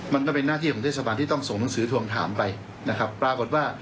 มันก็เป็นหน้าที่ของเทศบาลที่ต้องส่งหนังสือทวงถามไปนะครับปรากฏว่า